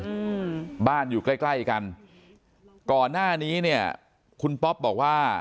อืมบ้านอยู่ใกล้ใกล้กันก่อนหน้านี้เนี้ยคุณป๊อปบอกว่า